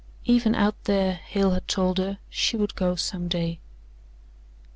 Even out there, Hale had told her, she would go some day.